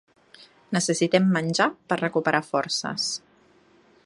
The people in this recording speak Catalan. Necessitem menjar per recuperar forces.